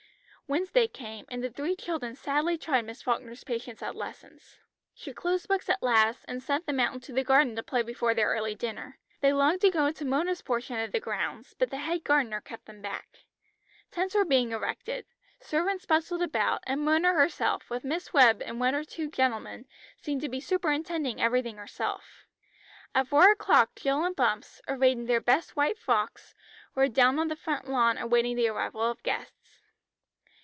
Wednesday came, and the three children sadly tried Miss Falkner's patience at lessons. She closed books at last, and sent them out into the garden to play before their early dinner. They longed to go into Mona's portion of the grounds, but the head gardener kept them back. Tents were being erected; servants bustled about, and Mona herself, with Miss Webb and one or two gentlemen, seemed to be superintending everything herself. At four o'clock Jill and Bumps, arrayed in their best white frocks, were down on the front lawn awaiting the arrival of guests.